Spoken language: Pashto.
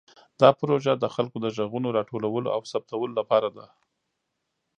دا پروژه د خلکو د غږونو راټولولو او ثبتولو لپاره ده.